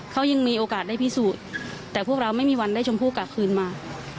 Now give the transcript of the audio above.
เขายังมีโอกาสได้พิสูจน์แต่พวกเราไม่มีวันได้ชมพู่กลับคืนมา